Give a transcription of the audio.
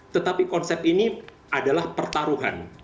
tetapi konsep ini adalah pertaruhan